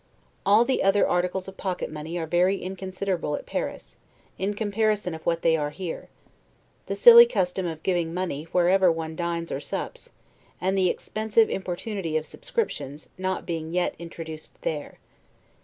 All the other articles of pocket money are very inconsiderable at Paris, in comparison of what they are here, the silly custom of giving money wherever one dines or sups, and the expensive importunity of subscriptions, not being yet introduced there.